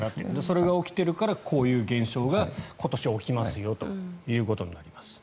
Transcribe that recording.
それが起きているからこういう現象が今年起きますよということになります。